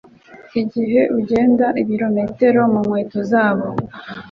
igihe ugenda ibirometero mukweto zabo